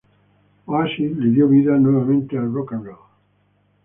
Oasis le dio vida nuevamente al rock'n'roll".